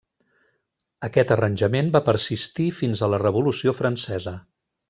Aquest arranjament va persistir fins a la Revolució Francesa.